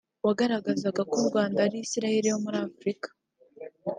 wagaragazaga ko u Rwanda ari Isiraheli yo muri Afurika